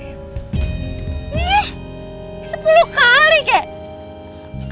ih sepuluh kali kek